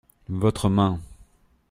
Votre main.